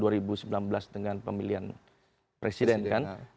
dua ribu sembilan belas dengan pemilihan presiden kan